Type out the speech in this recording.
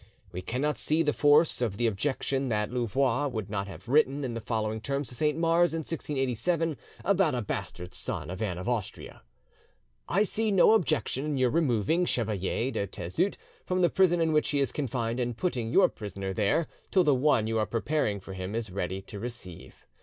We cannot see the force of the objection that Louvois would not have written in the following terms to Saint Mars in 1687 about a bastard son of Anne of Austria: "I see no objection to your removing Chevalier de Thezut from the prison in which he is confined, and putting your prisoner there till the one you are preparing for him is ready to receive him."